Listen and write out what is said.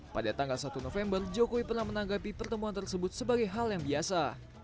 pada tanggal satu november jokowi pernah menanggapi pertemuan tersebut sebagai hal yang biasa